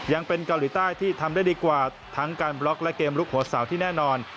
ยังเป็นเกาหลีใต้ที่ทำได้ดีกว่าทั้งการบล็อกและเกมลุกหัวสาวที่แน่นอน